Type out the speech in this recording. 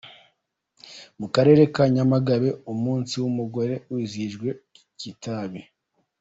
Mu karere ka Nyamagabe umunsi w’umugore wizihirijwe Kitabi.